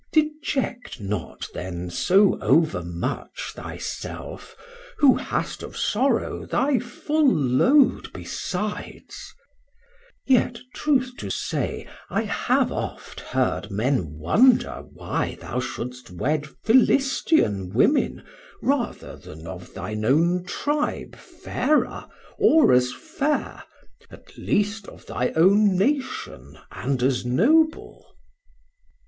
Deject not then so overmuch thy self, Who hast of sorrow thy full load besides; Yet truth to say, I oft have heard men wonder Why thou shouldst wed Philistian women rather Then of thine own Tribe fairer, or as fair, At least of thy own Nation, and as noble.